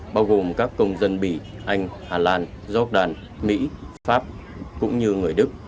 bao gồm các công dân bỉ anh hà lan jordan mỹ pháp cũng như người đức